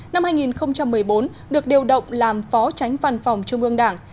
năm hai nghìn một mươi bốn được điều động làm phó tránh văn phòng trung ương đảng